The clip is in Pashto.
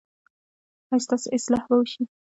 ایا ستاسو اصلاح به وشي؟